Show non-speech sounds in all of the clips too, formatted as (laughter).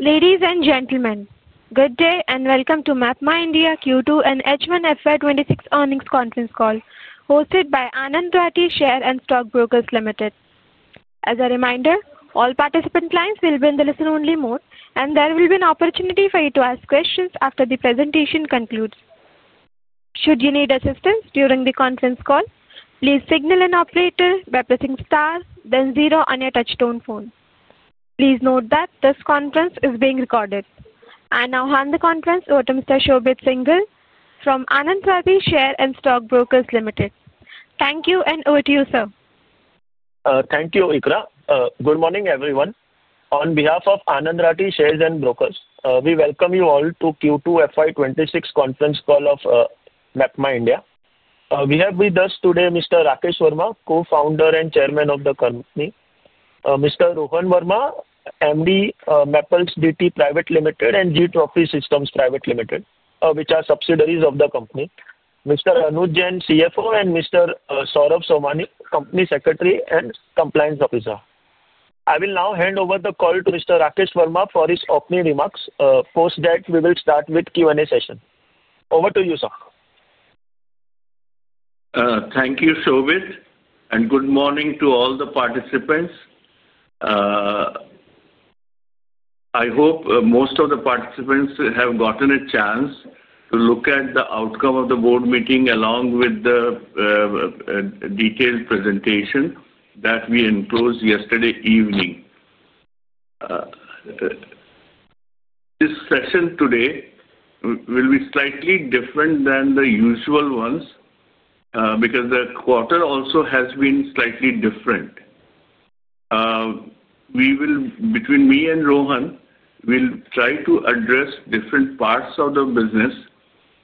Ladies and gentlemen, good day and welcome to MapmyIndia Q2 and H1 FY26 earnings conference call, hosted by Anand Rathi Shares and Stock Brokers Limited. As a reminder, all participant lines will be in the listen-only mode, and there will be an opportunity for you to ask questions after the presentation concludes. Should you need assistance during the conference call, please signal an operator by pressing star, then zero on your touch-tone phone. Please note that this conference is being recorded. I now hand the conference over to Mr. Shobit Singhal from Anand Rathi Shares and Stock Brokers Limited. Thank you, and over to you, sir. Thank you, Iqra. Good morning, everyone. On behalf of Anand Rathi Shares and Stock Brokers Limited, we welcome you all to the Q2 FY 2026 conference call of MapmyIndia We have with us today Mr. Rakesh Verma, Co-founder and Chairman of the company, Mr. Rohan Verma, Managing Director of Mappls DT Private Limited and Gtropy Systems Private Limited, which are subsidiaries of the company, Mr. Anuj Jain, CFO, and Mr. Saurabh Somani, Company Secretary and Compliance Officer. I will now hand over the call to Mr. Rakesh Verma for his opening remarks. Post that, we will start with the Q&A session. Over to you, sir. Thank you, Shobit, and good morning to all the participants. I hope most of the participants have gotten a chance to look at the outcome of the board meeting along with the detailed presentation that we enclosed yesterday evening. This session today will be slightly different than the usual ones because the quarter also has been slightly different. Between me and Rohan, we'll try to address different parts of the business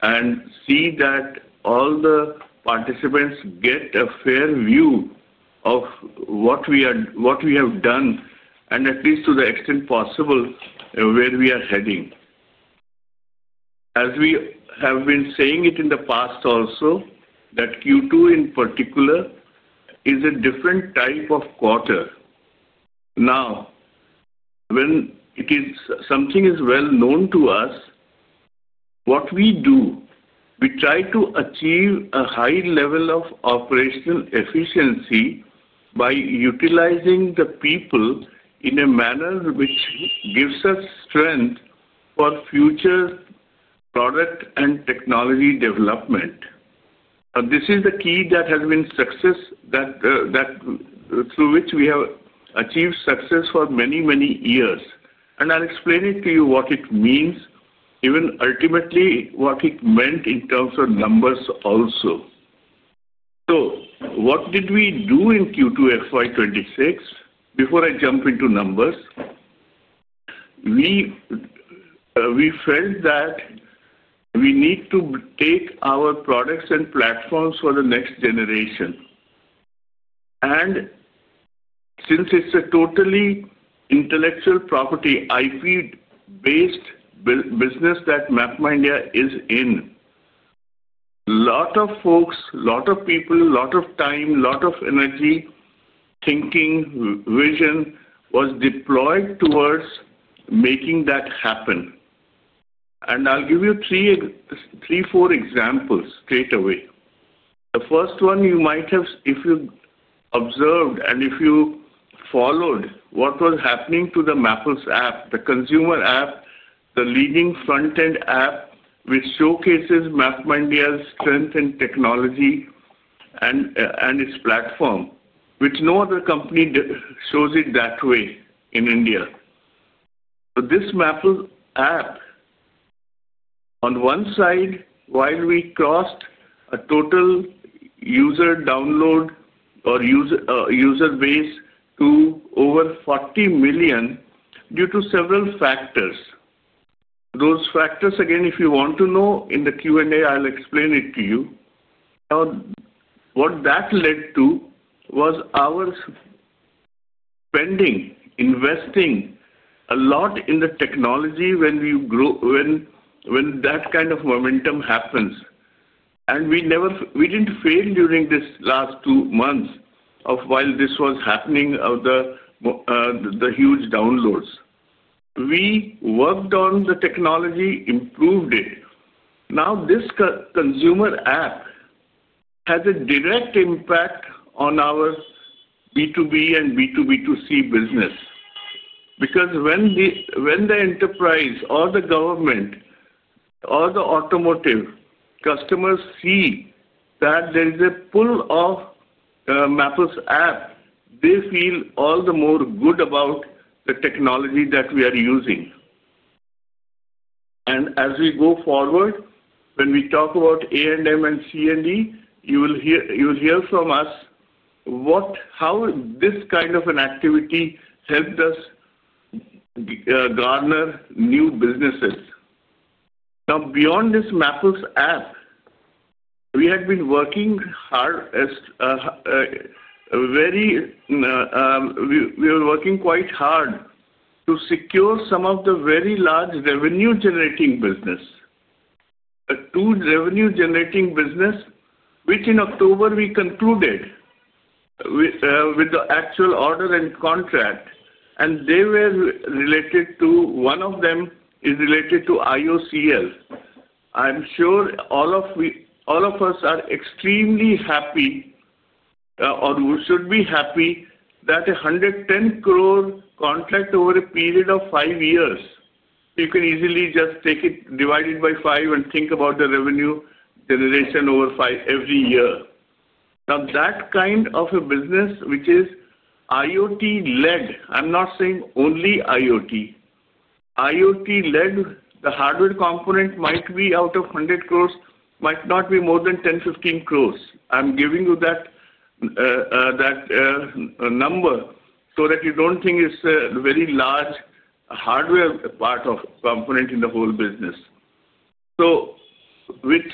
and see that all the participants get a fair view of what we have done and, at least to the extent possible, where we are heading. As we have been saying it in the past also, that Q2 in particular is a different type of quarter. Now, when something is well known to us, what we do, we try to achieve a high level of operational efficiency by utilizing the people in a manner which gives us strength for future product and technology development. This is the key that has been success, through which we have achieved success for many, many years. I'll explain it to you what it means, even ultimately what it meant in terms of numbers also. What did we do in Q2 FY 2026? Before I jump into numbers, we felt that we need to take our products and platforms for the next generation. Since it's a totally intellectual property, IP-based business that MapmyIndia is in, a lot of folks, a lot of people, a lot of time, a lot of energy, thinking, vision was deployed towards making that happen. I'll give you three, four examples straight away. The first one you might have, if you observed and if you followed what was happening to the Mappls app, the consumer app, the leading front-end app which showcases MapmyIndia's strength in technology and its platform, which no other company shows it that way in India. This Mappls app, on one side, while we crossed a total user download or user base to over 40 million due to several factors. Those factors, again, if you want to know in the Q&A, I'll explain it to you. Now, what that led to was our spending, investing a lot in the technology when that kind of momentum happens. We didn't fail during this last two months of while this was happening of the huge downloads. We worked on the technology, improved it. Now, this consumer app has a direct impact on our B2B and B2B2C business because when the enterprise or the government or the automotive customers see that there is a pull of Mappls app, they feel all the more good about the technology that we are using. As we go forward, when we talk about A&M and C&E, you will hear from us how this kind of an activity helped us garner new businesses. Now, beyond this Mappls app, we had been working hard. We were working quite hard to secure some of the very large revenue-generating business, two revenue-generating business, which in October we concluded with the actual order and contract. They were related to one of them is related to IOCL. I'm sure all of us are extremely happy or should be happy that an 110 crore contract over a period of five years, you can easily just take it, divide it by five, and think about the revenue generation over every year. Now, that kind of a business, which is IoT-led, I'm not saying only IoT, IoT-led, the hardware component might be out of 100 crores, might not be more than 10-15 crores. I'm giving you that number so that you don't think it's a very large hardware part of component in the whole business. Being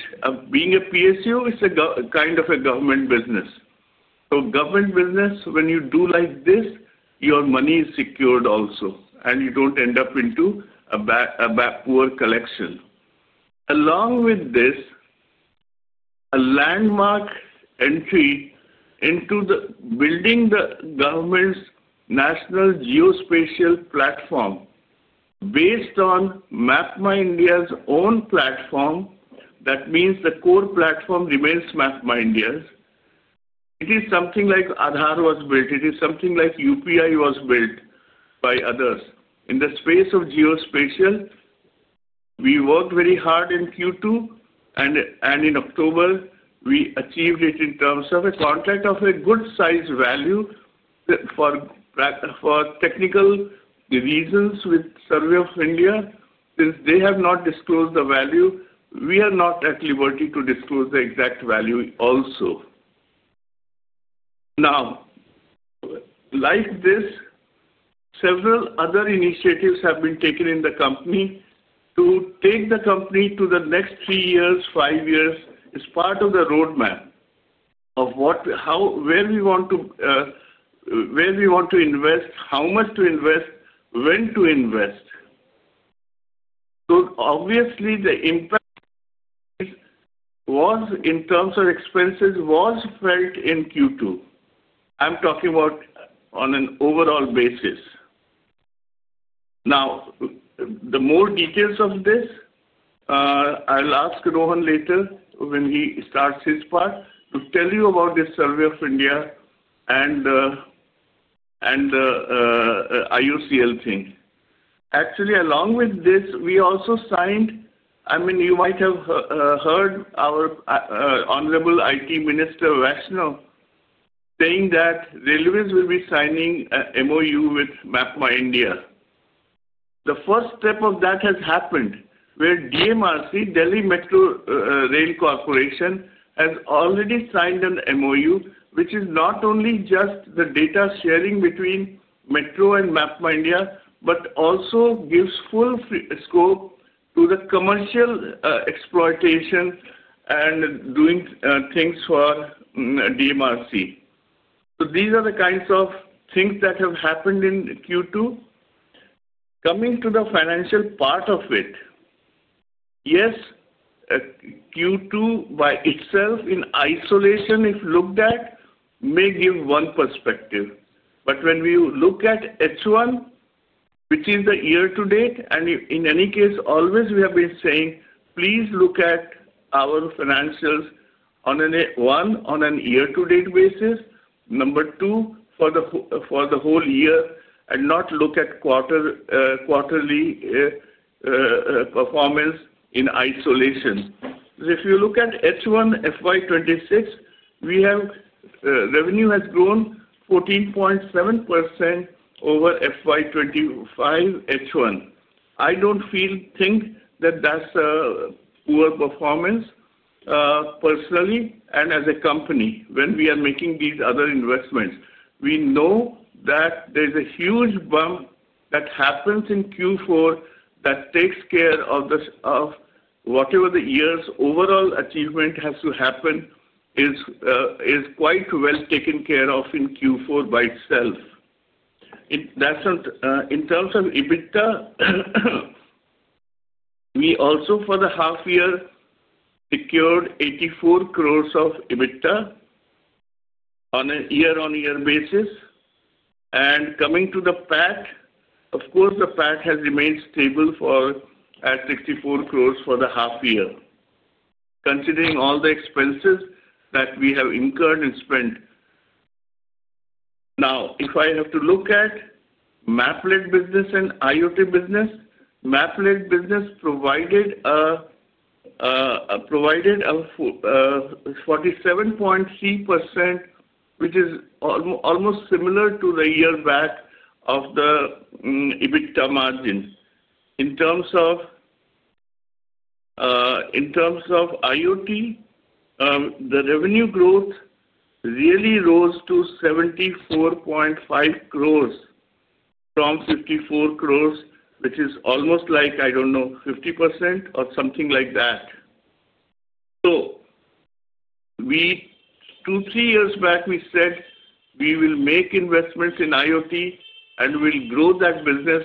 a PSU, it's a kind of a government business. Government business, when you do like this, your money is secured also, and you don't end up into a poor collection. Along with this, a landmark entry into building the government's national geospatial platform based on MapmyIndia's own platform. That means the core platform remains MapmyIndia. It is something like Aadhaar was built. It is something like UPI was built by others. In the space of geospatial, we worked very hard in Q2, and in October, we achieved it in terms of a contract of a good size value for technical reasons with Survey of India. Since they have not disclosed the value, we are not at liberty to disclose the exact value also. Now, like this, several other initiatives have been taken in the company to take the company to the next three years, five years as part of the roadmap of where we want to invest, how much to invest, when to invest. Obviously, the impact was in terms of expenses was felt in Q2. I'm talking about on an overall basis. Now, the more details of this, I'll ask Rohan later when he starts his part to tell you about this Survey of India and the IOCL thing. Actually, along with this, we also signed, I mean, you might have heard our Honorable IT Minister Vaishnaw saying that railways will be signing an MOU with MapmyIndia. The first step of that has happened where DMRC, Delhi Metro Rail Corporation, has already signed an MOU, which is not only just the data sharing between Metro and MapmyIndia, but also gives full scope to the commercial exploitation and doing things for DMRC. These are the kinds of things that have happened in Q2. Coming to the financial part of it, yes, Q2 by itself in isolation, if looked at, may give one perspective. When we look at H1, which is the year-to-date, and in any case, always we have been saying, please look at our financials on a year-to-date basis. Number two, for the whole year and not look at quarterly performance in isolation. If you look at H1 FY 2026, revenue has grown 14.7% over FY 2025 H1. I do not think that that is a poor performance personally and as a company when we are making these other investments. We know that there is a huge bump that happens in Q4 that takes care of whatever the year's overall achievement has to happen, is quite well taken care of in Q4 by itself. In terms of EBITDA, we also for the half year secured 84 crore of EBITDA on a year-on-year basis. Coming to the PAT, of course, the PAT has remained stable at 64 crore for the half year, considering all the expenses that we have incurred and spent. Now, if I have to look at Mappls business and IoT business, Mappls business provided 47.3%, which is almost similar to the year back of the EBITDA margin. In terms of IoT, the revenue growth really rose to 74.5 crore from 54 crore, which is almost like, I do not know, 50% or something like that. Two, three years back, we said we will make investments in IoT and we will grow that business.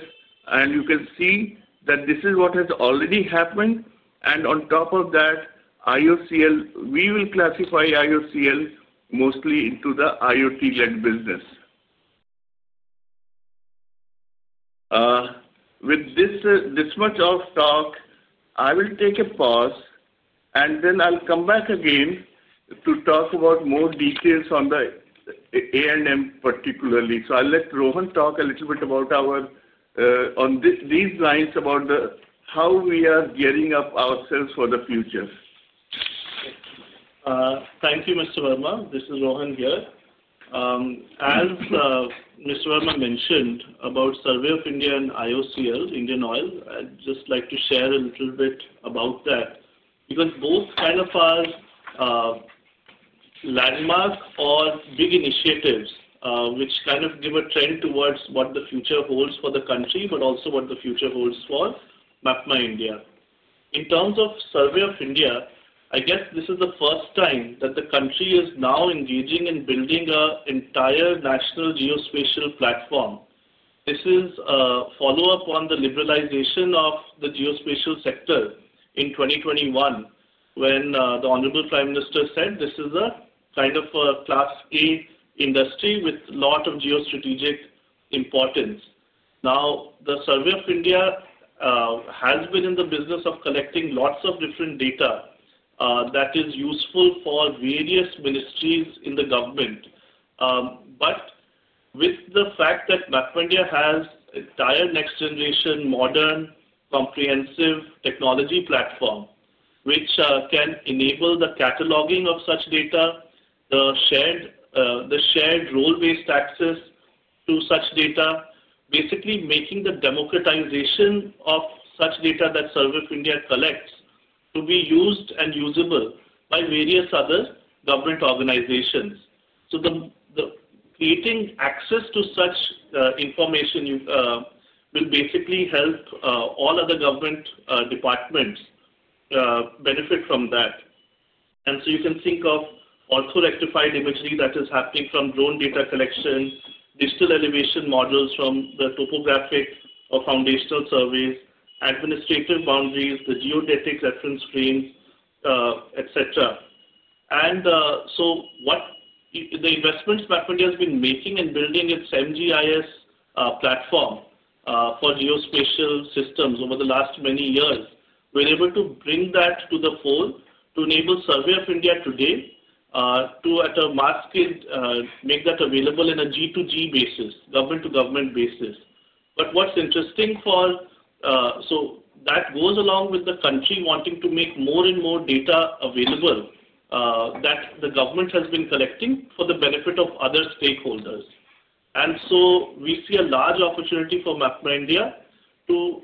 You can see that this is what has already happened. On top of that, we will classify IOCL mostly into the IoT-led business. With this much of talk, I will take a pause, and then I'll come back again to talk about more details on the A&M particularly. I will let Rohan talk a little bit about these lines about how we are gearing up ourselves for the future. Thank you, Mr. Verma. This is Rohan here. As Mr. Verma mentioned about Survey of India and IOCL, Indian Oil, I'd just like to share a little bit about that because both kind of are landmark or big initiatives which kind of give a trend towards what the future holds for the country, but also what the future holds for MapmyIndia. In terms of Survey of India, I guess this is the first time that the country is now engaging in building an entire national geospatial platform. This is a follow-up on the liberalization of the geospatial sector in 2021 when the Honorable Prime Minister said this is a kind of a Class A industry with a lot of geostrategic importance. Now, the Survey of India has been in the business of collecting lots of different data that is useful for various ministries in the government. With the fact that MapmyIndia has an entire next-generation modern comprehensive technology platform which can enable the cataloging of such data, the shared role-based access to such data, basically making the democratization of such data that Survey of India collects to be used and usable by various other government organizations. Creating access to such information will basically help all other government departments benefit from that. You can think of orthorectified imagery that is happening from drone data collection, digital elevation models from the topographic or foundational surveys, administrative boundaries, the geodetic reference frames, etc. The investments MapmyIndia has been making in building its MGIS platform for geospatial systems over the last many years, we're able to bring that to the fore to enable Survey of India today to, at a mass scale, make that available in a G to G basis, government-to-government basis. What's interesting is that goes along with the country wanting to make more and more data available that the government has been collecting for the benefit of other stakeholders. We see a large opportunity for MapmyIndia to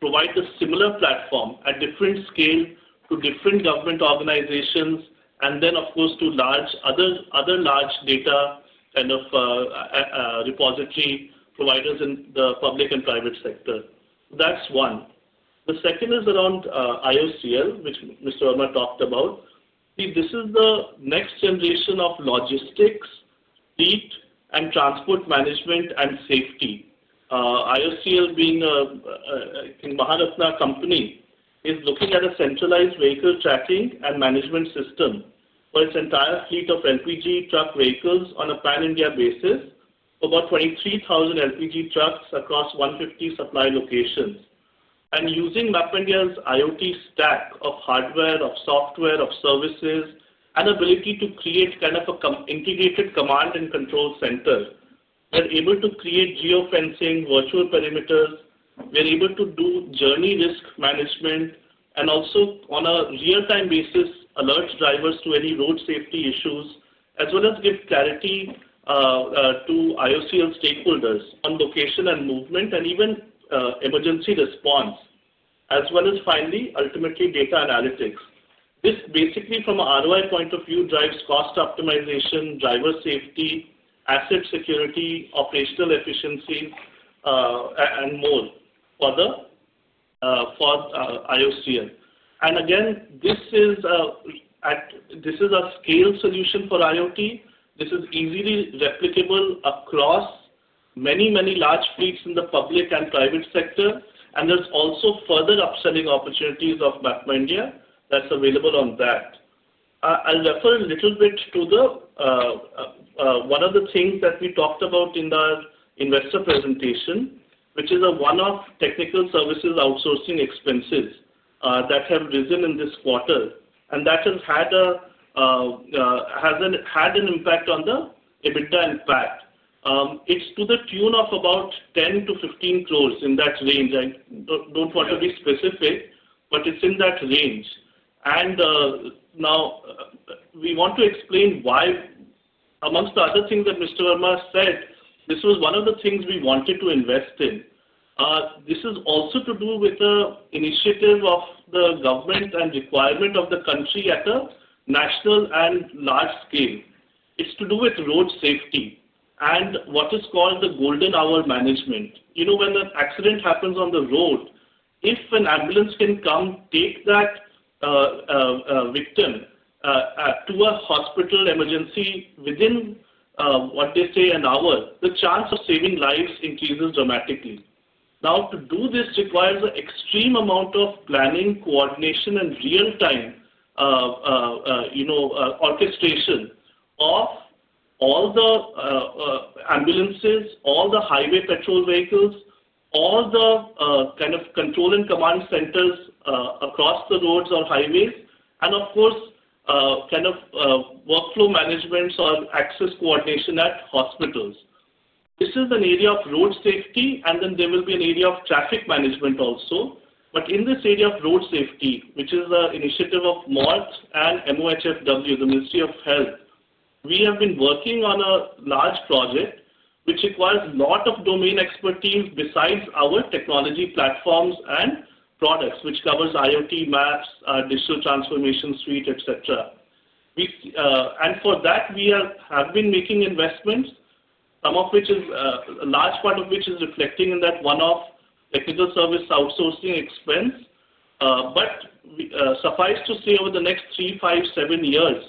provide a similar platform at different scale to different government organizations and then, of course, to other large data kind of repository providers in the public and private sector. That's one. The second is around IOCL, which Mr. Verma talked about. This is the next generation of logistics, fleet, and transport management and safety. IOCL, being a Maharatna company, is looking at a centralized vehicle tracking and management system for its entire fleet of LPG truck vehicles on a pan-India basis for about 23,000 LPG trucks across 150 supply locations. Using MapmyIndia's IoT stack of hardware, of software, of services, and ability to create kind of an integrated command and control center, we're able to create geofencing, virtual perimeters. We're able to do journey risk management and also on a real-time basis alert drivers to any road safety issues as well as give clarity to IOCL stakeholders on location and movement and even emergency response, as well as finally, ultimately, data analytics. This basically, from an ROI point of view, drives cost optimization, driver safety, asset security, operational efficiencies, and more for IOCL. This is a scale solution for IoT. This is easily replicable across many, many large fleets in the public and private sector. There are also further upselling opportunities of MapmyIndia that's available on that. I'll refer a little bit to one of the things that we talked about in the investor presentation, which is a one-off technical services outsourcing expenses that have risen in this quarter, and that has had an impact on the EBITDA and PAT. It's to the tune of about 10-15 crore in that range. I don't want to be specific, but it's in that range. Now we want to explain why, amongst the other things that Mr. Verma said, this was one of the things we wanted to invest in. This is also to do with the initiative of the government and requirement of the country at a national and large scale. It's to do with road safety and what is called the golden hour management. When an accident happens on the road, if an ambulance can come take that victim to a hospital emergency within what they say an hour, the chance of saving lives increases dramatically. Now, to do this requires an extreme amount of planning, coordination, and real-time orchestration of all the ambulances, all the highway patrol vehicles, all the kind of control and command centers across the roads or highways, and of course, kind of workflow management or access coordination at hospitals. This is an area of road safety, and then there will be an area of traffic management also. In this area of road safety, which is the initiative of MOH and MOHFW, the Ministry of Health, we have been working on a large project which requires a lot of domain expertise besides our technology platforms and products, which covers IoT, maps, digital transformation suite, etc. For that, we have been making investments, some of which is a large part of which is reflecting in that one-off technical service outsourcing expense. Suffice to say, over the next three, five, seven years,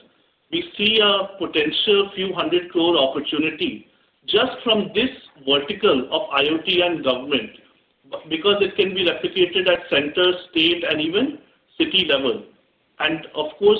we see a potential few hundred crore opportunity just from this vertical of IoT and government because it can be replicated at center, state, and even city level. Of course,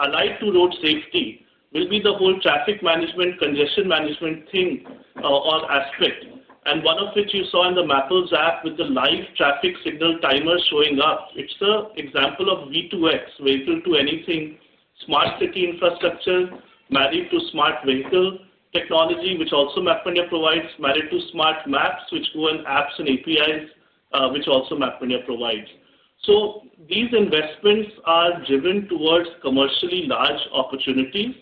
alike to road safety, will be the whole traffic management, congestion management thing or aspect. One of which you saw in the Mappls app with the live traffic signal timer showing up, it's an example of V2X, vehicle-to-anything, smart city infrastructure married to smart vehicle technology, which also MapmyIndia provides, married to smart maps, which go in apps and APIs, which also MapmyIndia provides. These investments are driven towards commercially large opportunities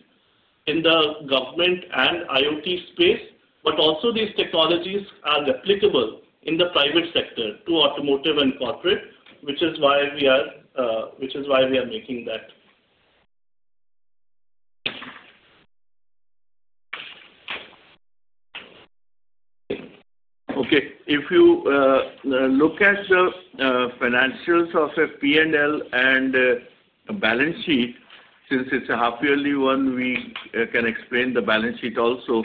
in the government and IoT space, but also these technologies are replicable in the private sector to automotive and corporate, which is why we are making that. Okay. If you look at the financials of a P&L and a balance sheet, since it's a half-yearly one, we can explain the balance sheet also.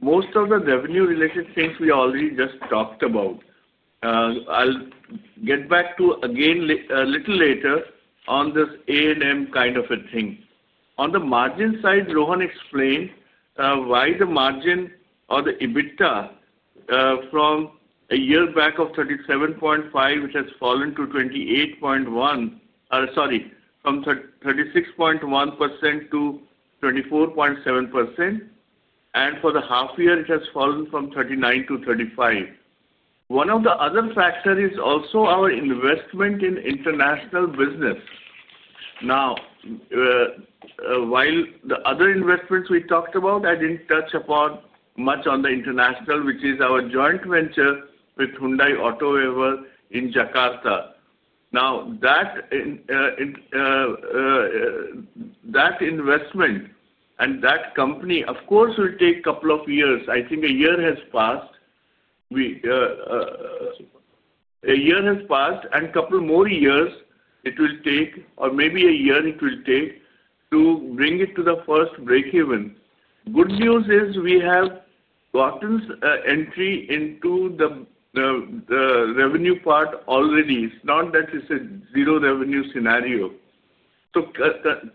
Most of the revenue-related things we already just talked about. I'll get back to again a little later on this A&M kind of a thing. On the margin side, Rohan explained why the margin or the EBITDA from a year back of 37.5%, which has fallen to 28.1%, sorry, from 36.1% to 24.7%, and for the half year, it has fallen from 39% to 35%. One of the other factors is also our investment in international business. Now, while the other investments we talked about, I didn't touch upon much on the international, which is our joint venture with Hyundai AutoEver in Jakarta. Now, that investment and that company, of course, will take a couple of years. I think a year has passed. A year has passed, and a couple more years it will take, or maybe a year it will take to bring it to the first breakeven. Good news is we have gotten entry into the revenue part already. It's not that it's a zero revenue scenario.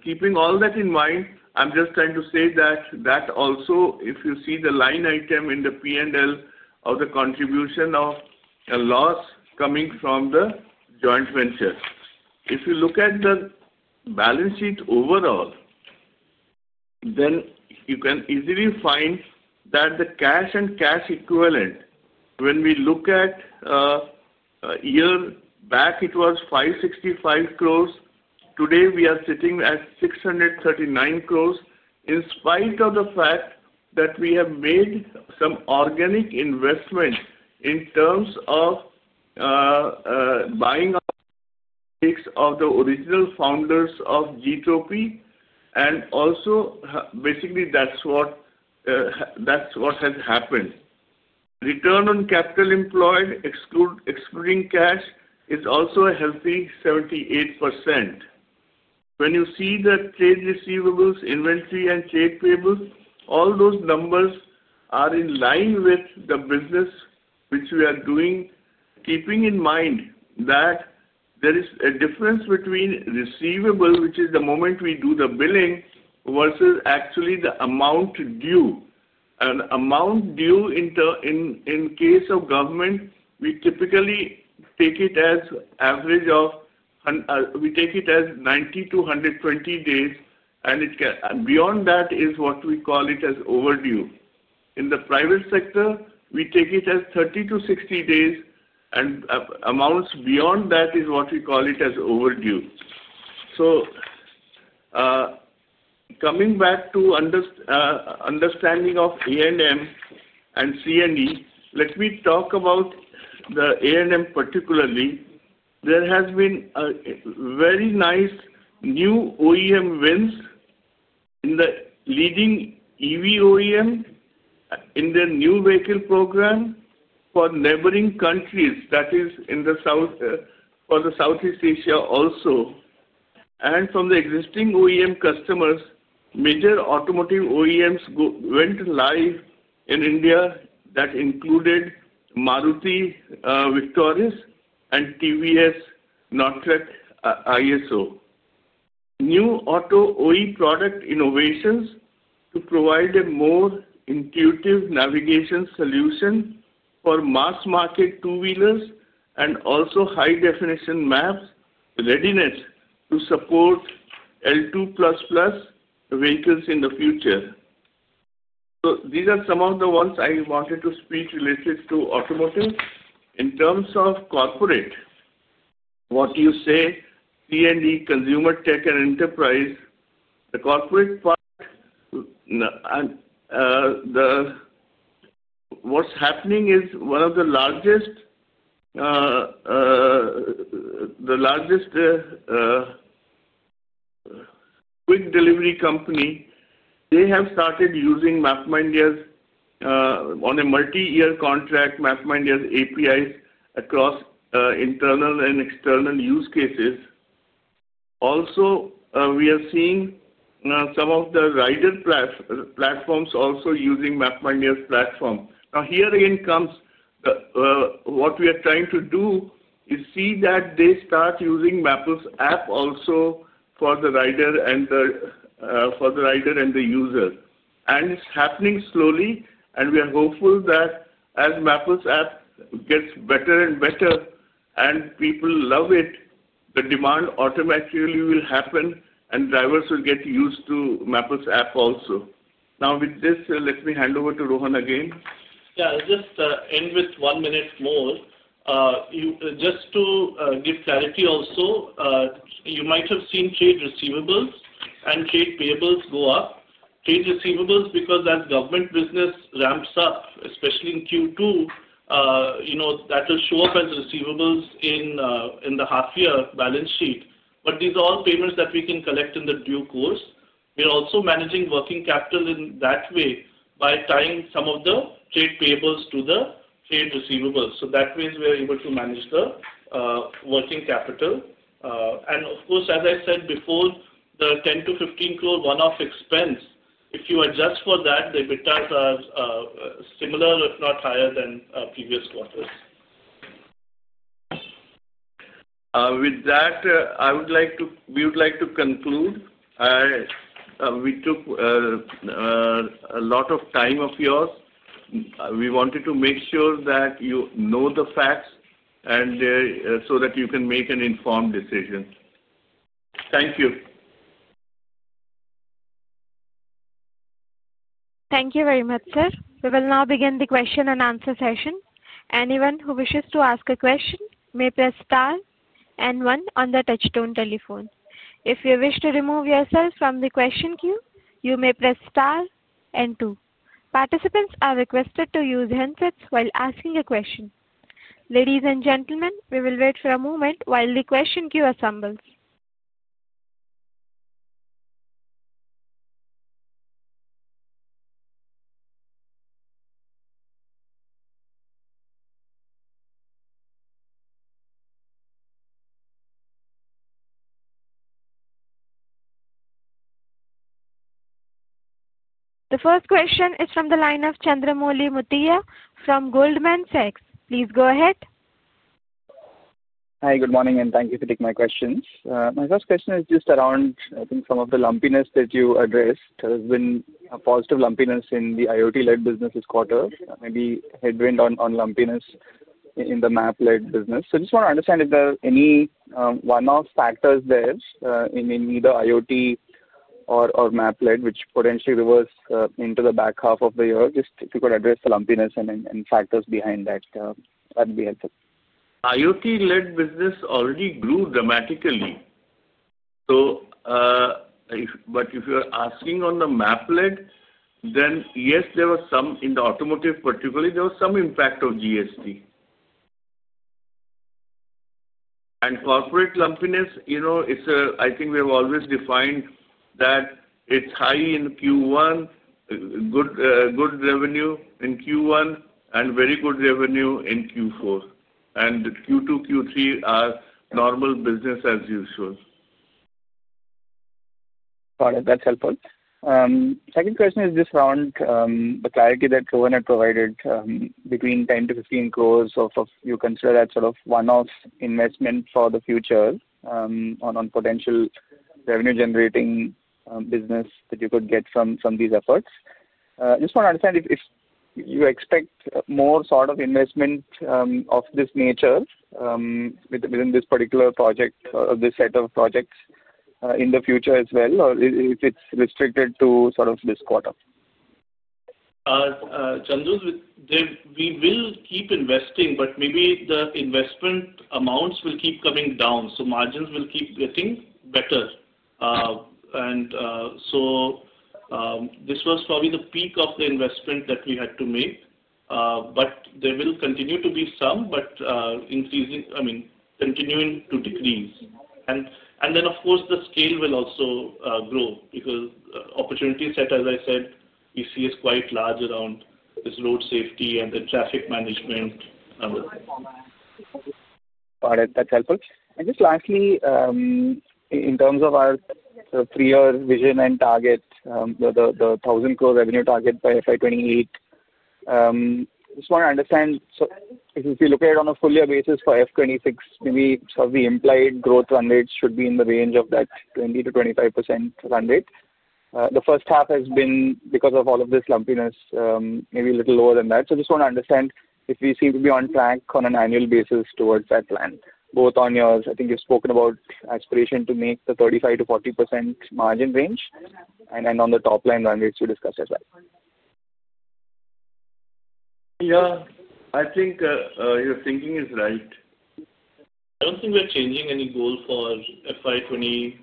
Keeping all that in mind, I'm just trying to say that that also, if you see the line item in the P&L of the contribution of loss coming from the joint venture. If you look at the balance sheet overall, then you can easily find that the cash and cash equivalent, when we look at a year back, it was 565 crore. Today, we are sitting at 639 crore in spite of the fact that we have made some organic investment in terms of buying of the original founders of Gtropy Systems Private Limited. And also, basically, that's what has happened. Return on capital employed, excluding cash, is also a healthy 78%. When you see the trade receivables, inventory, and trade payables, all those numbers are in line with the business which we are doing, keeping in mind that there is a difference between receivable, which is the moment we do the billing, versus actually the amount due. Amount due in case of government, we typically take it as average of we take it as 90-120 days, and beyond that is what we call it as overdue. In the private sector, we take it as 30-60 days, and amounts beyond that is what we call it as overdue. Coming back to understanding of A&M and C&E, let me talk about the A&M particularly. There has been a very nice new OEM wins in the leading EV OEM in the new vehicle program for neighboring countries, that is, for Southeast Asia also. From the existing OEM customers, major automotive OEMs went live in India that included Maruti Suzuki and TVS Motor [Company]. New auto OE product innovations to provide a more intuitive navigation solution for mass market two-wheelers and also high-definition maps readiness to support L2++ vehicles in the future. These are some of the ones I wanted to speak related to automotive. In terms of corporate, what you say, C&E, consumer tech and enterprise, the corporate part, what's happening is one of the largest quick delivery companies. They have started using MapmyIndia's on a multi-year contract, MapmyIndia's APIs across internal and external use cases. Also, we are seeing some of the rider platforms also using MapmyIndia's platform. Now, here again comes what we are trying to do is see that they start using Mappls App also for the rider and for the rider and the user. It is happening slowly, and we are hopeful that as Mappls App gets better and better and people love it, the demand automatically will happen and drivers will get used to Mappls App also. Now, with this, let me hand over to Rohan again. Yeah. I'll just end with one minute more. Just to give clarity also, you might have seen trade receivables and trade payables go up. Trade receivables, because as government business ramps up, especially in Q2, that will show up as receivables in the half-year balance sheet. These are all payments that we can collect in the due course. We're also managing working capital in that way by tying some of the trade payables to the trade receivables. That way, we are able to manage the working capital. Of course, as I said before, the 10-15 crore one-off expense, if you adjust for that, the EBITDA is similar if not higher than previous quarters. With that, we would like to conclude. We took a lot of time of yours. We wanted to make sure that you know the facts so that you can make an informed decision. Thank you. Thank you very much, sir. We will now begin the question and answer session. Anyone who wishes to ask a question may press star and one on the touchstone telephone. If you wish to remove yourself from the question queue, you may press star and two. Participants are requested to use handsets while asking a question. Ladies and gentlemen, we will wait for a moment while the question queue assembles. The first question is from the line of Chandramoli Muthiah from Goldman Sachs. Please go ahead. Hi. Good morning, and thank you for taking my questions. My first question is just around, I think, some of the lumpiness that you addressed. There has been a positive lumpiness in the IoT-led business this quarter. Maybe headwind on lumpiness in the map-led business. I just want to understand if there are any one-off factors there in either IoT or map-led, which potentially reverse into the back half of the year. Just if you could address the lumpiness and factors behind that, that would be helpful. IoT-led business already grew dramatically. If you're asking on the map-led, then yes, there was some in the automotive particularly, there was some impact of GST. Corporate lumpiness, I think we have always defined that it's high in Q1, good revenue in Q1, and very good revenue in Q4. Q2, Q3 are normal business as usual. Got it. That's helpful. Second question is just around the clarity that Rohan had provided between 10-15 crore if you consider that sort of one-off investment for the future on potential revenue-generating business that you could get from these efforts. I just want to understand if you expect more sort of investment of this nature within this particular project or this set of projects in the future as well, or if it's restricted to this quarter. Chandra, we will keep investing, but maybe the investment amounts will keep coming down. Margins will keep getting better. This was probably the peak of the investment that we had to make. There will continue to be some, continuing to decrease. Of course, the scale will also grow because opportunity set, as I said, we see is quite large around this road safety and the traffic management. Got it. That's helpful. And just lastly, in terms of our three-year vision and target, the 1,000 crore revenue target by FY 2028, just want to understand if we look at it on a four-year basis for FY 2026, maybe sort of the implied growth run rate should be in the range of that 20-25% run rate. The first half has been, because of all of this lumpiness, maybe a little lower than that. So I just want to understand if we seem to be on track on an annual basis towards that plan. Both on yours, I think you've spoken about aspiration to make the 35-40% margin range and on the top-line run rates you discussed as well. Yeah. I think your thinking is right. I do not think we are changing any goal for FY 2028.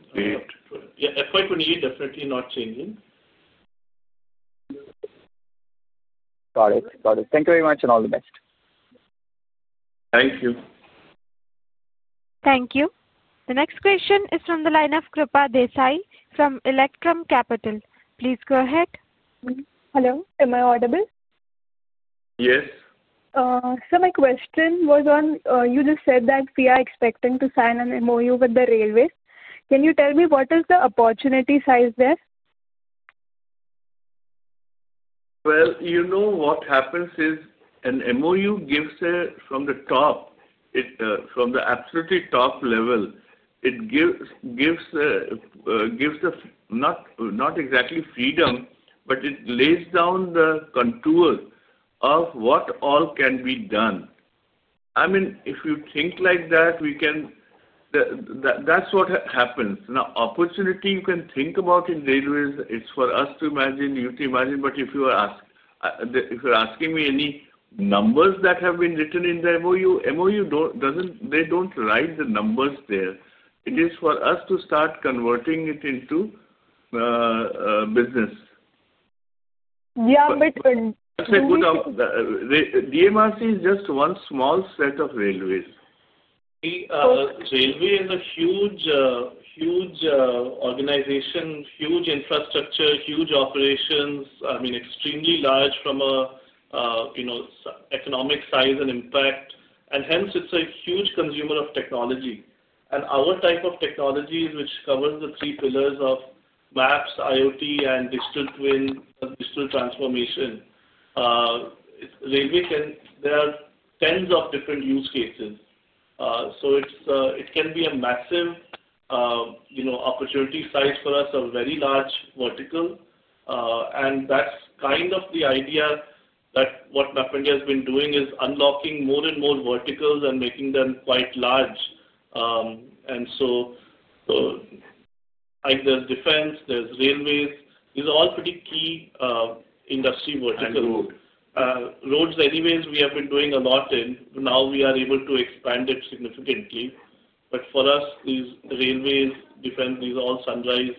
Yeah, FY 2028, definitely not changing. Got it. Got it. Thank you very much and all the best. Thank you. Thank you. The next question is from the line of Krupa Desai from Electrum Capital. Please go ahead. Hello. Am I audible? Yes. My question was on you just said that we are expecting to sign an MOU with the railways. Can you tell me what is the opportunity size there? You know what happens is an MOU gives from the top, from the absolutely top level, it gives not exactly freedom, but it lays down the contour of what all can be done. I mean, if you think like that, we can, that's what happens. Now, opportunity you can think about in railways is for us to imagine, you to imagine. If you're asking me any numbers that have been written in the MOU, they do not write the numbers there. It is for us to start converting it into business. Yeah, but. That's a good DMRC is just one small set of railways. Railway is a huge organization, huge infrastructure, huge operations. I mean, extremely large from an economic size and impact. It is a huge consumer of technology. Our type of technology, which covers the three pillars of maps, IoT, and digital twin, digital transformation. Railway can, there are tens of different use cases. It can be a massive opportunity size for us, a very large vertical. That is kind of the idea that what MapmyIndia has been doing is unlocking more and more verticals and making them quite large. There is defense, there are railways. These are all pretty key industry verticals. Roads anyways, we have been doing a lot in. Now we are able to expand it significantly. For us, these railways, defense, these are all sunrise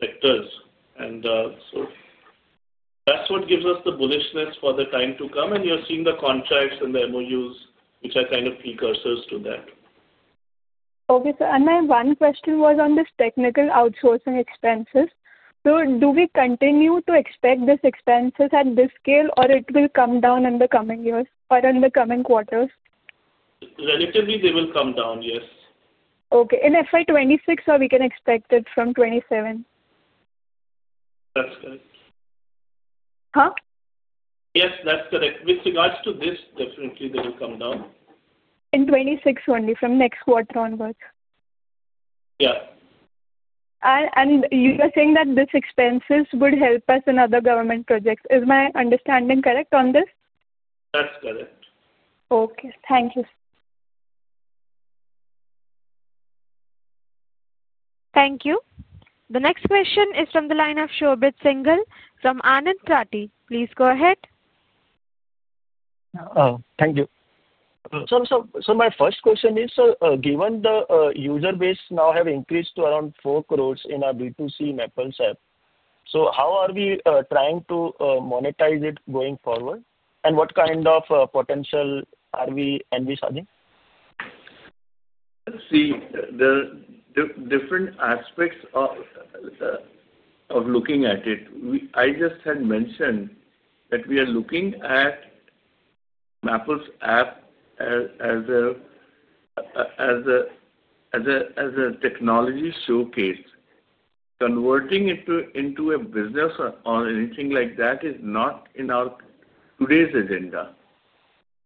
sectors. That is what gives us the bullishness for the time to come. You are seeing the contracts and the MOUs, which are kind of precursors to that. Okay. So my one question was on this technical outsourcing expenses. Do we continue to expect these expenses at this scale, or will it come down in the coming years or in the coming quarters? Relatively, they will come down, yes. Okay. In FY 2026, or we can expect it from 2027? That's correct. Huh? Yes, that's correct. With regards to this, definitely they will come down. In 2026 only, from next quarter onwards? Yeah. You were saying that these expenses would help us in other government projects. Is my understanding correct on this? That's correct. Okay. Thank you. Thank you. The next question is from the line of Shobit Singhal from Anand Rathi. Please go ahead. Thank you. My first question is, given the user base now have increased to around 4 crore in our B2C Mappls app, how are we trying to monetize it going forward? What kind of potential are we envisioning? See, the different aspects of looking at it. I just had mentioned that we are looking at Mappls App as a technology showcase. Converting it into a business or anything like that is not in our today's agenda.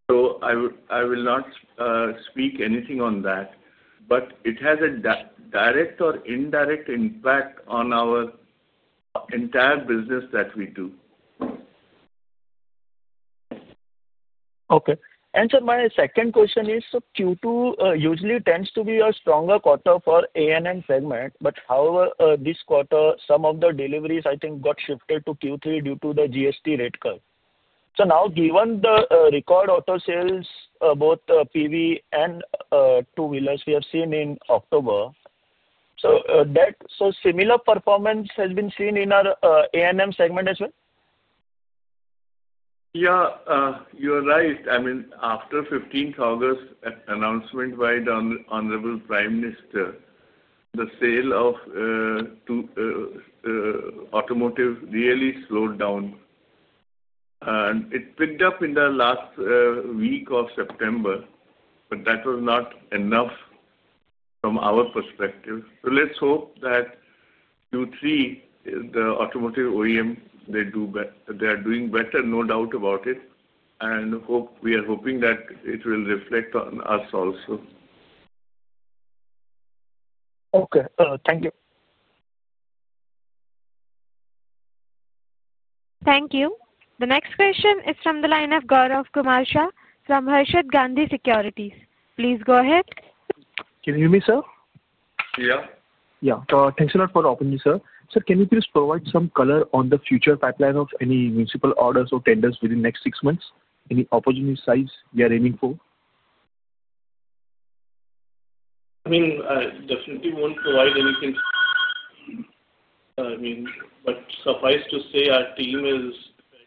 I will not speak anything on that. It has a direct or indirect impact on our entire business that we do. Okay. My second question is, Q2 usually tends to be a stronger quarter for A&M segment. However, this quarter, some of the deliveries, I think, got shifted to Q3 due to the GST rate curve. Now, given the record auto sales, both PV and two-wheelers, we have seen in October, has similar performance been seen in our A&M segment as well? Yeah. You're right. I mean, after 15th August announcement by the Honorable Prime Minister, the sale of automotive really slowed down. It picked up in the last week of September, but that was not enough from our perspective. Let's hope that Q3, the automotive OEM, they are doing better, no doubt about it. We are hoping that it will reflect on us also. Okay. Thank you. Thank you. The next question is from the line of Gaurav Kumar Shah from Harshad Gandhi Securities. Please go ahead. Can you hear me, sir? Yeah. Yeah. Thanks a lot for opening it, sir. Sir, can you please provide some color on the future pipeline of any municipal orders or tenders within the next six months? Any opportunity size we are aiming for? I mean, definitely won't provide anything. I mean, but suffice to say, our team is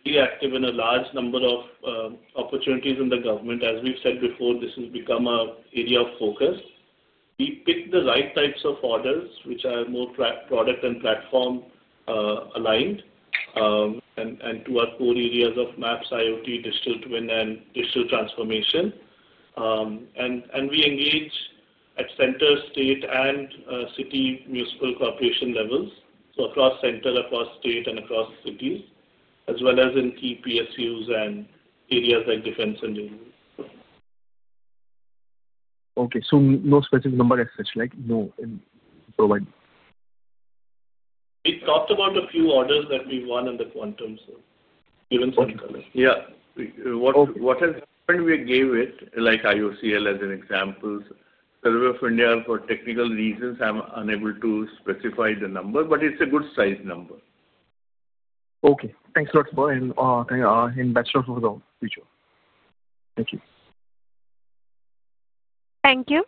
very active in a large number of opportunities in the government. As we've said before, this has become an area of focus. We pick the right types of orders, which are more product and platform aligned and to our core areas of maps, IoT, digital twin, and digital transformation. We engage at center, state, and city municipal corporation levels. Across center, across state, and across cities, as well as in key PSUs and areas like defense and railways. Okay. So no specific number as such, like no provide. We talked about a few orders that we won in the quantum zone. Given some color. Yeah. What has happened, we gave it like IOCL as an example. Reserve of India, for technical reasons, I'm unable to specify the number, but it's a good size number. Okay. Thanks a lot. (audio distortion) Thank you. Thank you.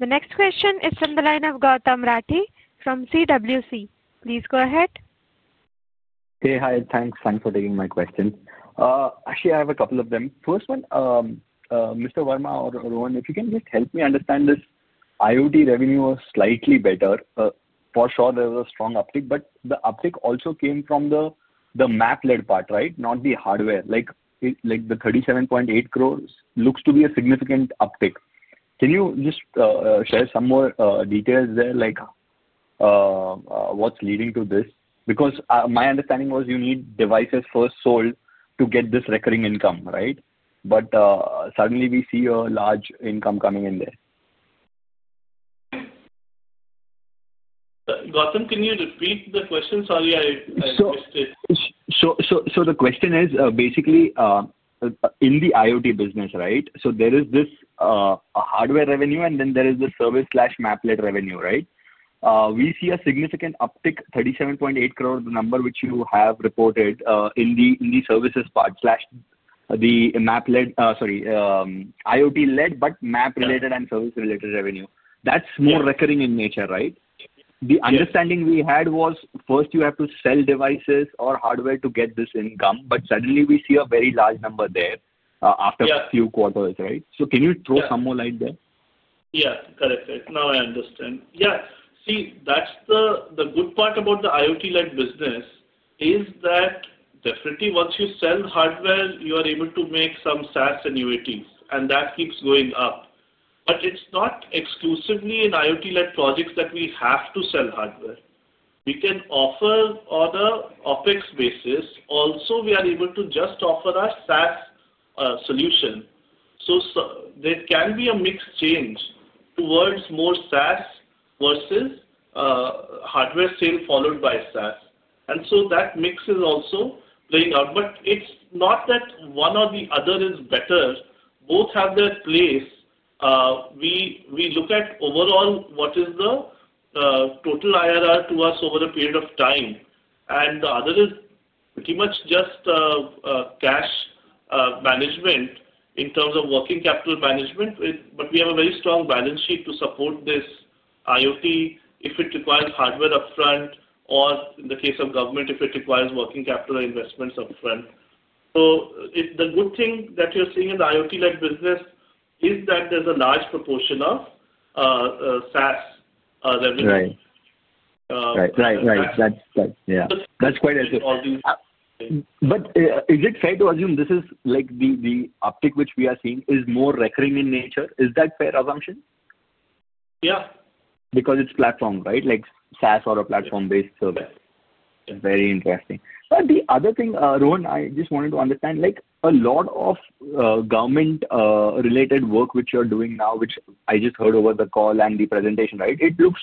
The next question is from the line of Gautam Rathi from CWC. Please go ahead. Hey, hi. Thanks. Thanks for taking my question. Actually, I have a couple of them. First one, Mr. Verma or Rohan, if you can just help me understand this. IoT revenue was slightly better. For sure, there was a strong uptick, but the uptick also came from the map-led part, right? Not the hardware. Like the 37.8 crore looks to be a significant uptick. Can you just share some more details there? Like what's leading to this? Because my understanding was you need devices first sold to get this recurring income, right? But suddenly we see a large income coming in there. Gautam, can you repeat the question? Sorry, I missed it. The question is basically in the IoT business, right? There is this hardware revenue, and then there is the service/map-led revenue, right? We see a significant uptick, 37.8 crore, the number which you have reported in the services part/the map-led, sorry, IoT-led, but map-related and service-related revenue. That is more recurring in nature, right? The understanding we had was first you have to sell devices or hardware to get this income, but suddenly we see a very large number there after a few quarters, right? Can you throw some more line there? Yeah. Correct. Now I understand. Yeah. See, that's the good part about the IoT-led business is that definitely once you sell hardware, you are able to make some SaaS annuities, and that keeps going up. It is not exclusively in IoT-led projects that we have to sell hardware. We can offer on an OPEX basis. Also, we are able to just offer a SaaS solution. There can be a mixed change towards more SaaS versus hardware sale followed by SaaS. That mix is also playing out. It is not that one or the other is better. Both have their place. We look at overall what is the total IRR to us over a period of time. The other is pretty much just cash management in terms of working capital management. We have a very strong balance sheet to support this IoT if it requires hardware upfront, or in the case of government, if it requires working capital or investments upfront. The good thing that you're seeing in the IoT-led business is that there's a large proportion of SaaS revenue. Right. That's quite good. Is it fair to assume this is like the uptick which we are seeing is more recurring in nature? Is that a fair assumption? Yeah. Because it's platform, right? Like SaaS or a platform-based service. Very interesting. The other thing, Rohan, I just wanted to understand, like a lot of government-related work which you're doing now, which I just heard over the call and the presentation, right? It looks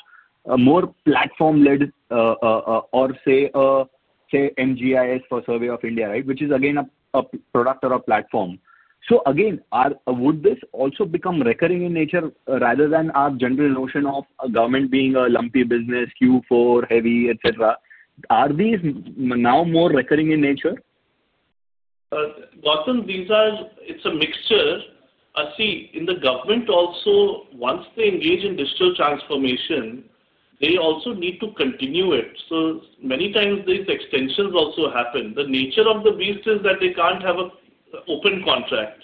more platform-led or say MGIS for Survey of India, right? Which is again a product or a platform. Again, would this also become recurring in nature rather than our general notion of government being a lumpy business, Q4 heavy, etc.? Are these now more recurring in nature? Gautam, these are, it's a mixture. See, in the government also, once they engage in digital transformation, they also need to continue it. Many times these extensions also happen. The nature of the beast is that they can't have an open contract.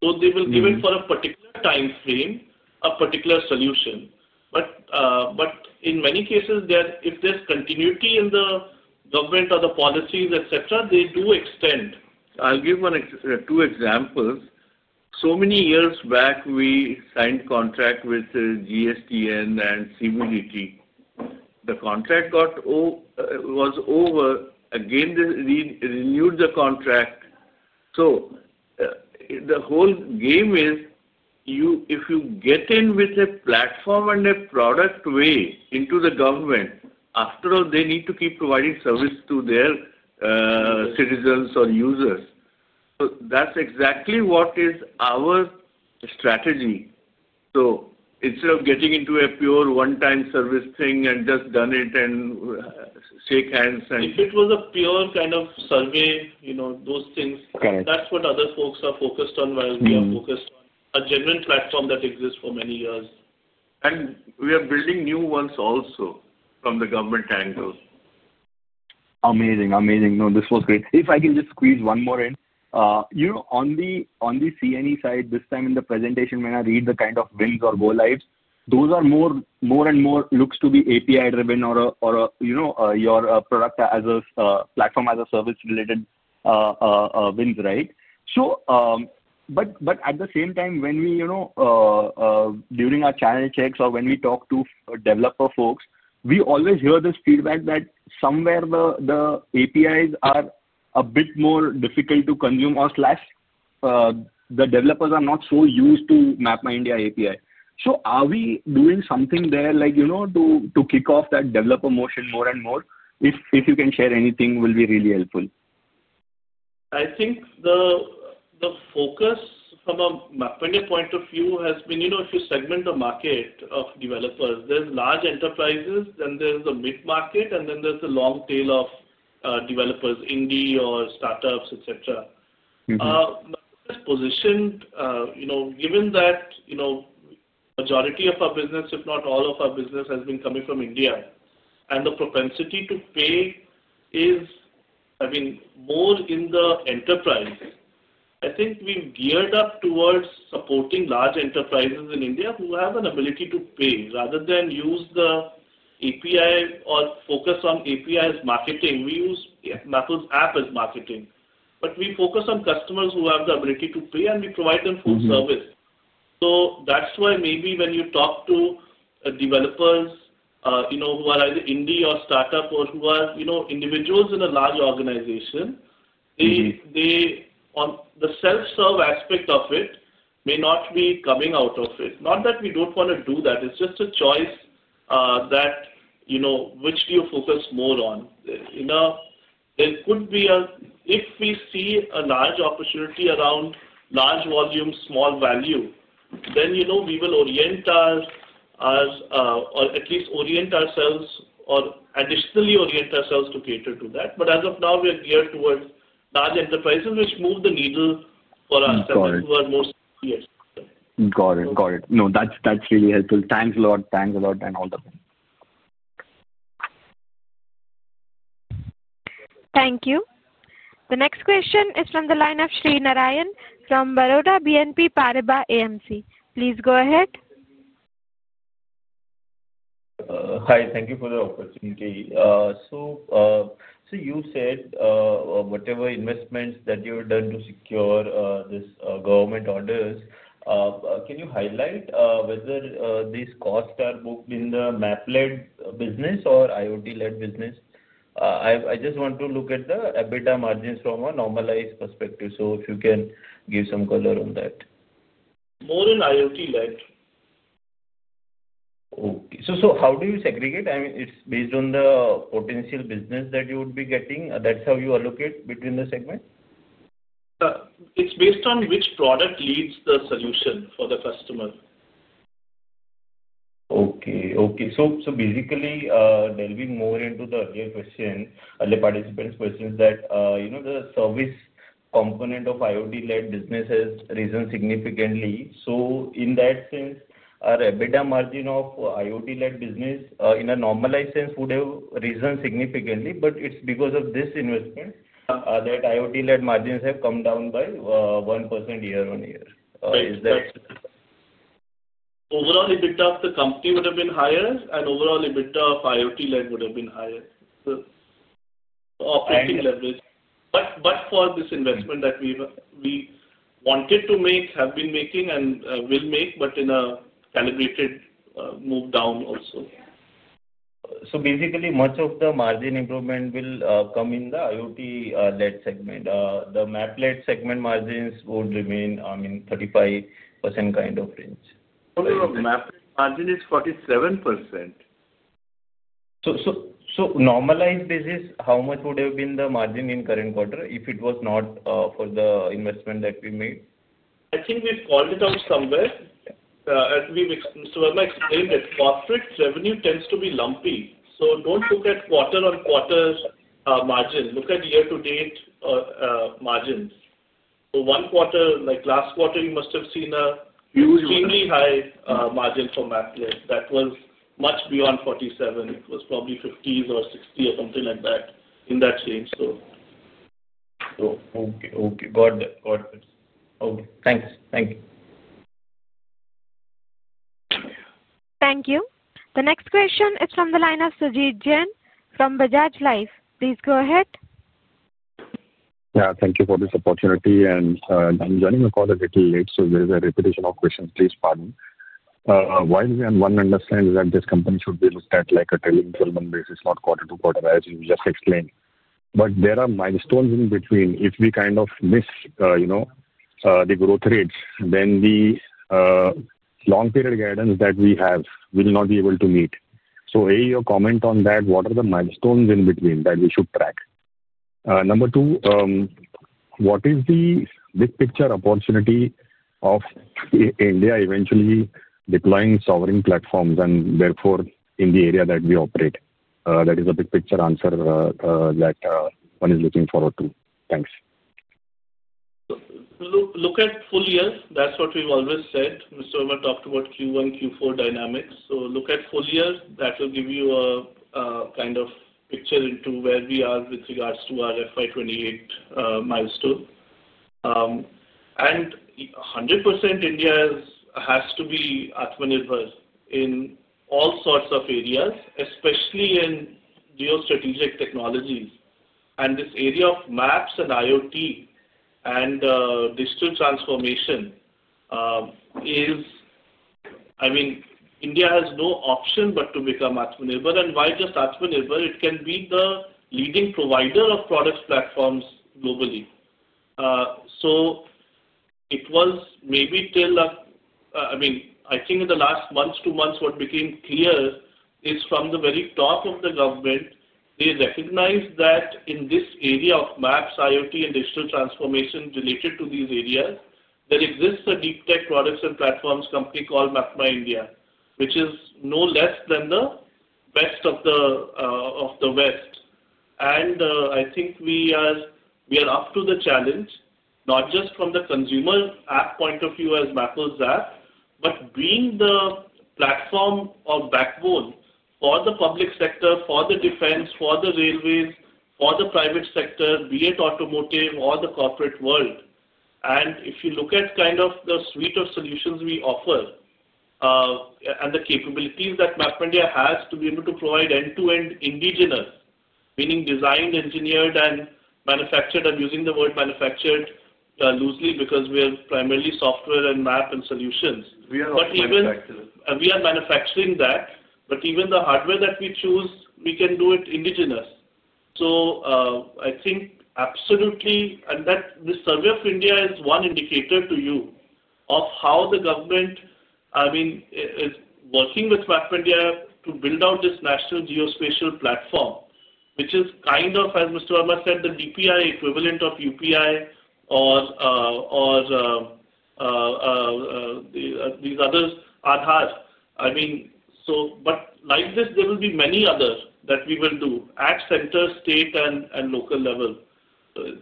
They will give it for a particular time frame, a particular solution. In many cases, if there's continuity in the government or the policies, etc., they do extend. I'll give two examples. Many years back, we signed a contract with GSTN and CBDT. The contract was over. Again, they renewed the contract. The whole game is if you get in with a platform and a product way into the government, after all, they need to keep providing service to their citizens or users. That's exactly what is our strategy. Instead of getting into a pure one-time service thing and just done it and shake hands. If it was a pure kind of survey, those things. That is what other folks are focused on while we are focused on a genuine platform that exists for many years. We are building new ones also from the government angle. Amazing. Amazing. No, this was great. If I can just squeeze one more in. On the C&E side, this time in the presentation, when I read the kind of wins or go-lives, those are more and more looks to be API-driven or your product as a platform as a service-related wins, right? At the same time, when we during our channel checks or when we talk to developer folks, we always hear this feedback that somewhere the APIs are a bit more difficult to consume or slash the developers are not so used to MapmyIndia API. Are we doing something there to kick off that developer motion more and more? If you can share anything, it will be really helpful. I think the focus from a MapmyIndia point of view has been if you segment the market of developers, there are large enterprises, then there is the mid-market, and then there is the long tail of developers, indie or startups, etc. This position, given that majority of our business, if not all of our business, has been coming from India, and the propensity to pay is, I mean, more in the enterprise, I think we have geared up towards supporting large enterprises in India who have an ability to pay rather than use the API or focus on API as marketing. We use Mappls App as marketing. We focus on customers who have the ability to pay, and we provide them full service. That's why maybe when you talk to developers who are either indie or startup or who are individuals in a large organization, the self-serve aspect of it may not be coming out of it. Not that we don't want to do that. It's just a choice that which do you focus more on? There could be a, if we see a large opportunity around large volume, small value, then we will orient ours or at least orient ourselves or additionally orient ourselves to cater to that. As of now, we are geared towards large enterprises which move the needle for our segment who are more seniors. Got it. Got it. No, that's really helpful. Thanks a lot. Thanks a lot and all the best. Thank you. The next question is from the line of Shrinarayan Mishra from Baroda BNP Paribas Asset Management Company. Please go ahead. Hi. Thank you for the opportunity. You said whatever investments that you have done to secure these government orders, can you highlight whether these costs are booked in the map-led business or IoT-led business? I just want to look at the EBITDA margins from a normalized perspective. If you can give some color on that. More in IoT-led. Okay. So how do you segregate? I mean, it's based on the potential business that you would be getting. That's how you allocate between the segments? It's based on which product leads the solution for the customer. Okay. Okay. So basically, delving more into the earlier question, earlier participant's question is that the service component of IoT-led business has risen significantly. In that sense, our EBITDA margin of IoT-led business in a normalized sense would have risen significantly, but it's because of this investment that IoT-led margins have come down by 1% year on year. Is that? Overall, EBITDA of the company would have been higher, and overall, EBITDA of IoT-led would have been higher. The operating leverage. Except for this investment that we wanted to make, have been making, and will make, in a calibrated move down also. Basically, much of the margin improvement will come in the IoT-led segment. The map-led segment margins would remain, I mean, 35% kind of range. The map-led margin is 47%. A normalized basis, how much would have been the margin in the current quarter if it was not for the investment that we made? I think we've called it out somewhere. As Swarma explained it, corporate revenue tends to be lumpy. Do not look at quarter-on-quarter margin. Look at year-to-date margins. One quarter, like last quarter, you must have seen an extremely high margin for map-led. That was much beyond 47%. It was probably 50% or 60% or something like that in that range. Okay. Got it. Okay. Thanks. Thank you. Thank you. The next question is from the line of Sujit Jain from Bajaj Allianz Life Insurance. Please go ahead. Yeah. Thank you for this opportunity. I'm joining the call a little late, so there is a repetition of questions. Please pardon. While we, on one, understand that this company should be looked at like a trailing development basis, not quarter-to-quarter, as you just explained. There are milestones in between. If we kind of miss the growth rates, then the long-period guidance that we have will not be able to meet. A, your comment on that, what are the milestones in between that we should track? Number two, what is the big-picture opportunity of India eventually deploying sovereign platforms and therefore in the area that we operate? That is a big-picture answer that one is looking forward to. Thanks. Look at full year. That is what we have always said. Mr. Swarma talked about Q1, Q4 dynamics. Look at full year. That will give you a kind of picture into where we are with regards to our FY2028 milestone. 100% India has to be Atma Nirbhar in all sorts of areas, especially in geostrategic technologies. This area of maps and IoT and digital transformation is, I mean, India has no option but to become Atmanirbhar. Why just Atmanirbhar? It can be the leading provider of product platforms globally. It was maybe till a, I mean, I think in the last month, two months, what became clear is from the very top of the government, they recognized that in this area of maps, IoT, and digital transformation related to these areas, there exists a deep tech products and platforms company called MapmyIndia, which is no less than the best of the West. I think we are up to the challenge, not just from the consumer app point of view as Mappls App, but being the platform or backbone for the public sector, for the defense, for the railways, for the private sector, be it automotive or the corporate world. If you look at kind of the suite of solutions we offer and the capabilities that MapmyIndia has to be able to provide end-to-end indigenous, meaning designed, engineered, and manufactured. I'm using the word manufactured loosely because we are primarily software and map and solutions. Even we are manufacturing. We are manufacturing that. Even the hardware that we choose, we can do it indigenous. I think absolutely, and the Survey of India is one indicator to you of how the government, I mean, is working with MapmyIndia to build out this national geospatial platform, which is kind of, as Mr. [Verma] said, the DPI equivalent of UPI or these others, Aadhaar. I mean, like this, there will be many others that we will do at center, state, and local level.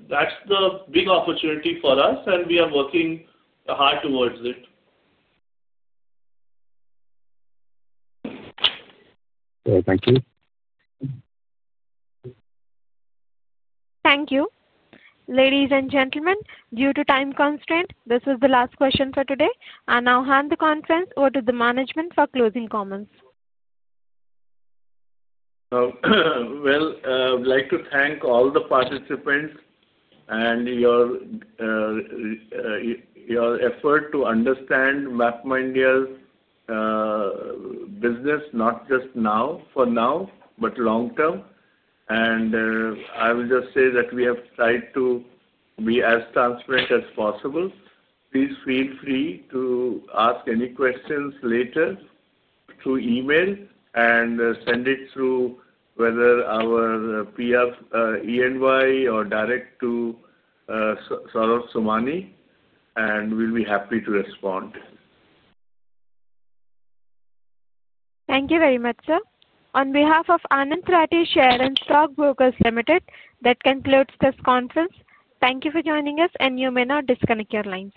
That's the big opportunity for us, and we are working hard towards it. Thank you. Thank you. Ladies and gentlemen, due to time constraint, this is the last question for today. I now hand the conference over to the management for closing comments. I would like to thank all the participants and your effort to understand MapmyIndia's business, not just for now, but long term. I will just say that we have tried to be as transparent as possible. Please feel free to ask any questions later through email and send it through whether our [PF E&Y] or direct to Saurabh Somani and we'll be happy to respond. Thank you very much, sir. On behalf of Anand Rathi Shares and Stock Brokers Limited, that concludes this conference. Thank you for joining us, and you may now disconnect your lines.